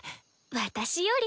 私より？